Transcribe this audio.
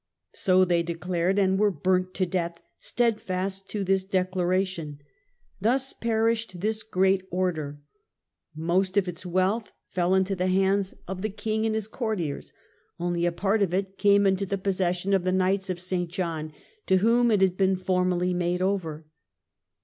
So they declared, and were burnt to death, steadfast to this declaration. Thus perished this great Order. Most of its wealth fell into the hands of the FRENCH HISTORY, 1273 1328 63 King and his courtiers, only a part of it came into the possession of the Knights of St. John to whom it had been formally made over.